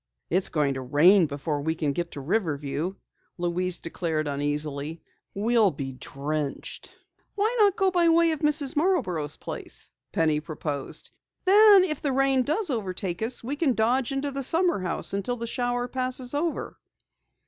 "It's going to rain before we can get to Riverview," Louise declared uneasily. "We'll be drenched." "Why not go by way of Mrs. Marborough's place?" Penny proposed. "Then if the rain does overtake us, we can dodge into the summer house until the shower passes over."